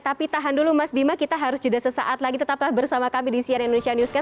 tapi tahan dulu mas bima kita harus juga sesaat lagi tetaplah bersama kami di cnn indonesia newscast